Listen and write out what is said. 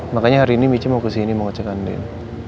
makanya hari ini mici mau kesini mau ngecek anin